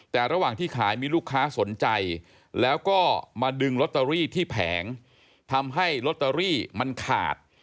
แต่ระหว่างที่ขายมีลูกค้าสนใจแล้วก็มาดึงลอตเตอรี่ที่แผงทำให้ลอตเตอรี่มันขาด